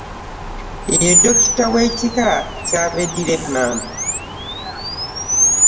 Ye Dokita w’ekika ky’abeddira emmamba.